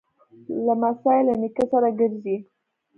لمسی له نیکه سره ګرځي.